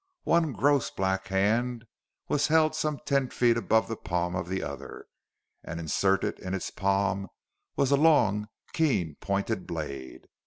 One gross black hand was held some ten feet above the palm of the other, and, inserted in its palm, was a long, keen pointed blade.